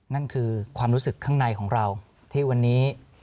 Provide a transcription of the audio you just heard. นั่นคือความรู้สึกข้างในของเราที่วันนี้